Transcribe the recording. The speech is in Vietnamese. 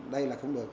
đây là không được